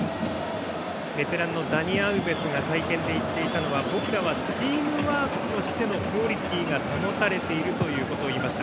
ベテランのダニ・アウベスが会見で言っていたのは僕らはチームワークとしてのクオリティーが保たれていると言っていました。